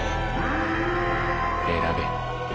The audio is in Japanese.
選べ。